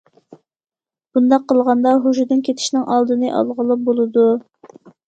بۇنداق قىلغاندا، ھوشىدىن كېتىشنىڭ ئالدىنى ئالغىلى بولىدۇ.